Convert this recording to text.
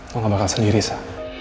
lo gak bakal sendiri sa